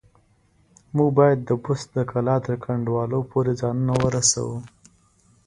موږ بايد د بست د کلا تر کنډوالو پورې ځانونه ورسوو.